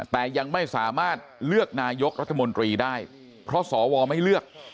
แต่ยังไม่สามารถเลือกนายกรัฐมนตรีได้เพราะสวไม่เลือก